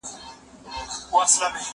زه پرون زده کړه وکړه!